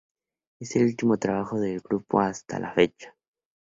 Es el último trabajo del grupo hasta la fecha.